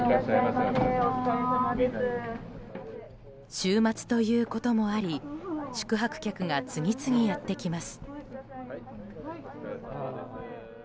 週末ということもあり宿泊客が次々やってきます。